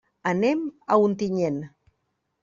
Anem a Ontinyent.